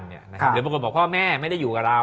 หรือบางคนบอกพ่อแม่ไม่ได้อยู่กับเรา